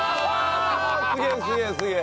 すげえすげえすげえ！